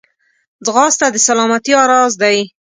ځغاسته د سلامتیا راز دی